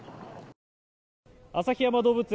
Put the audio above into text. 旭山動物園